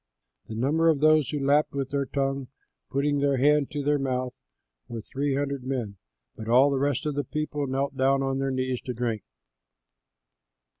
The number of those who lapped with their tongue, putting their hand to their mouth, were three hundred men; but all the rest of the people knelt down on their knees to drink.